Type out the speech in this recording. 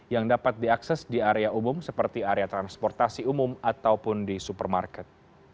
yang dapat diakses di area umum seperti area transportasi umum ataupun di supermarket